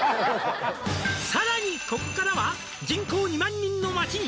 「さらにここからは人口２万人の町に」